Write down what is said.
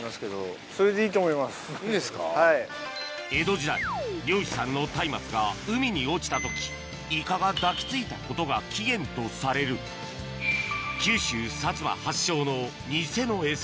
江戸時代漁師さんのたいまつが海に落ちた時イカが抱き付いたことが起源とされる九州薩摩発祥の偽のエサ